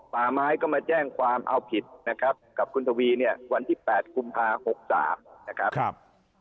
ป่าไม้ก็มาแจ้งความเอาผิดนะครับกับคุณทวีเนี่ยวันที่๘กุมภา๖๓นะครับ